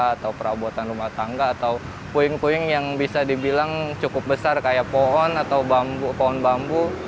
atau perabotan rumah tangga atau puing puing yang bisa dibilang cukup besar kayak pohon atau pohon bambu